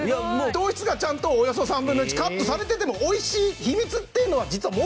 糖質がちゃんとおよそ３分の１カットされてても美味しい秘密っていうのは実はもう一つあるんです。